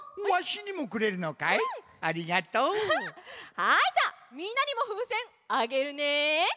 はいじゃあみんなにもふうせんあげるね。